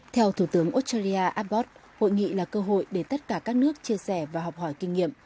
theo thủ tướng australia abbas hội nghị là cơ hội để tất cả các nước chia sẻ và học hỏi kinh nghiệm